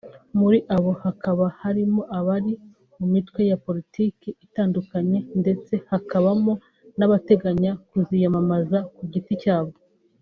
muri abo hakaba harimo abari mu mitwe ya Politiki itandukanye ndetse hakabamo n’abateganya kuziyamamaza ku giti cyabo